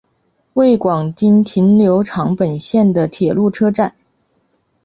末广町停留场本线的铁路车站。